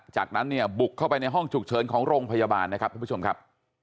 จากนั้นเนี่ยบุกเข้าไปในห้องฉุกเฉินของโรงพยาบาลนะครับท่านผู้ชมครับ